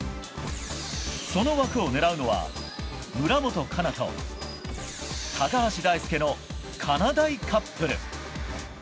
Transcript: その枠を狙うのは村元哉中と高橋大輔のかなだいカップル。